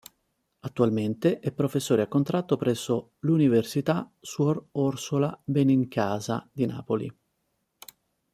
Attualmente è professore a contratto presso l'Università Suor Orsola Benincasa di Napoli.